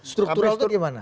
struktural itu gimana